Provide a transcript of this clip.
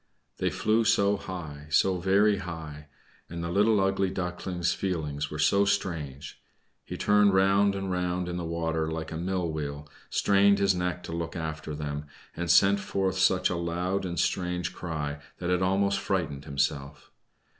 They flew so high, so very high! And the little Ugly Duckling's feelings were so strange. He turned round and round in the water like a mill wheel, strained his neck to look after them, and sent forth such a loud and strange cry that it almost frightened himself.